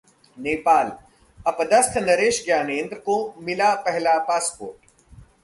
नेपाल: अपदस्थ नरेश ज्ञानेन्द्र को मिला पहला पासपोर्ट